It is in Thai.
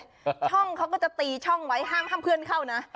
ช่องเขาก็จะตีช่องไว้ห้ามห้ามเพื่อนเข้านะ